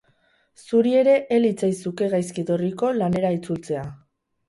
Zuri ere ez litzaizuke gaizki etorriko lanera itzultzea.